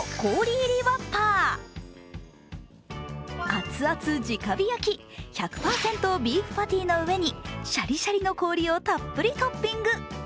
熱々じか火焼１００％ビーフパティの上にシャリシャリの氷をたっぷりトッピング。